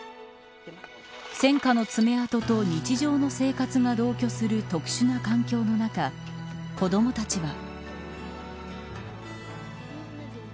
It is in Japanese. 戦火の爪痕と日常の生活が同居する特殊な環境の中子どもたちは。